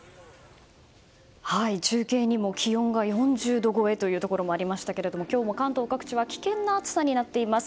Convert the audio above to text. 中継にも気温が４０度超えというところもありましたが今日も関東各地は危険な暑さになっています。